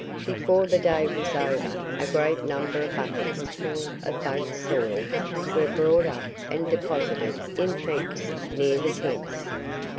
Before the day was over, a great number of buckets full of both soils were brought up and deposited in heaps near the tents.